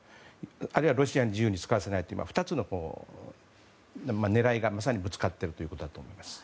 あるいはロシアに自由に使わせないという２つの狙いがまさにぶつかっているんだと思います。